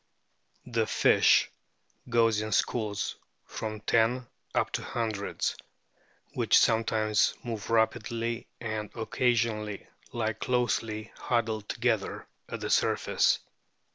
The "fish" goes in schools from ten up to hundreds, which sometimes move rapidly, and occasionally lie closely huddled together at the surface.